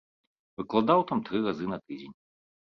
Выкладаў там тры разы на тыдзень.